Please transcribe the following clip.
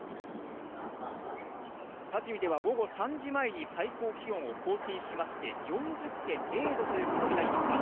多治見では午後３時前に最高気温を更新しまして、４０．０度ということになりました。